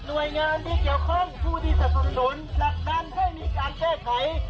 หน่วยงานที่เกี่ยวของผู้ที่สนทนดับดันให้มีการแก้ไข